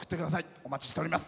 お待ちしております。